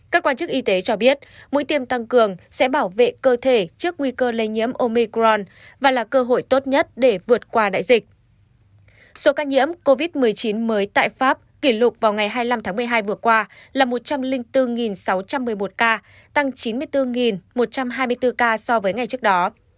các nhiễm covid một mươi chín mới tại pháp kỷ lục vào ngày hai mươi năm tháng một mươi hai vừa qua là một trăm linh bốn sáu trăm một mươi một ca tăng chín mươi bốn một trăm hai mươi bốn ca so với ngày trước đó